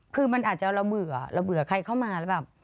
คือมันอาจจะระเบื่อระเบื่อใครเข้ามาแล้วแบบ